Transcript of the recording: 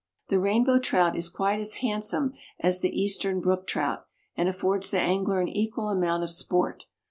The Rainbow Trout is quite as handsome as the Eastern Brook Trout and affords the angler an equal amount of sport.